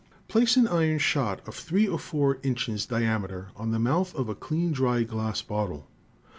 "Place an iron shot of three or four inches diameter on the mouth of a clean, dry glass bottle.